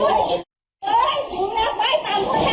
ไอ้เล็กมึงเข้าน้ำ